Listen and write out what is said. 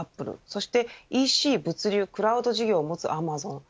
そして、ＥＣ物流クラウド事業を持つアマゾン。